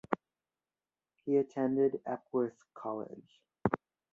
He attended Epworth College.